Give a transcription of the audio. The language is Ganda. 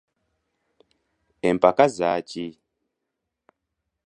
Empaka za ki?